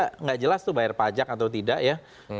tidak jelas tuh bayar pajak atau tidak ya